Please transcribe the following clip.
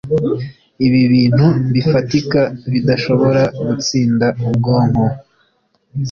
ibi bintu bifatika bidashobora gutsinda ubwonko